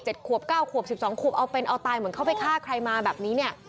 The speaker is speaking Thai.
ขวบเก้าขวบสิบสองขวบเอาเป็นเอาตายเหมือนเขาไปฆ่าใครมาแบบนี้เนี่ย